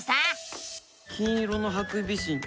金色のハクビシン